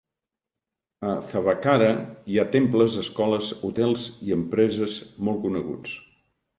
A Thavakkara hi ha temples, escoles, hotels i empreses molt coneguts.